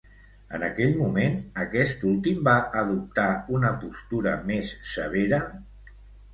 En aquell moment, aquest últim va adoptar una postura més severa?